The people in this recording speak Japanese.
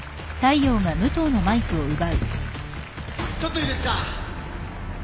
ちょっといいですか？